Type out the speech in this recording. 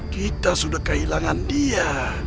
kita sudah kehilangan dia